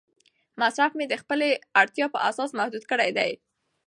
مصرف مې د خپلې اړتیا په اساس محدود کړی دی.